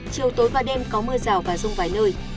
chiều tối và đêm có mưa rào và rông vài nơi